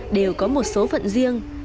đều có một số phận riêng